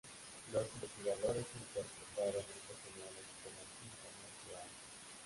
Los investigadores interpretaron estas señales como síntomas de asco.